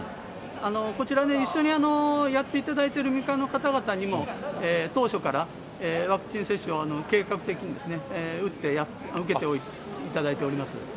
こちらで一緒にやっていただいている民間の方々にも、当初から、ワクチン接種を計画的に打って、受けておいていただいております。